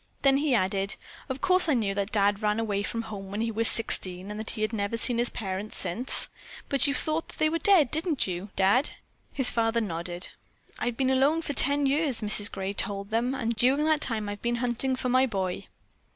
Then he added: "Of course I knew that Dad ran away from home when he was sixteen and that he had never since seen his parents, but you thought they were dead, didn't you, Dad?" His father nodded. "I've been alone for ten years," Mrs. Gray told them, "and during that time I've been hunting for my boy."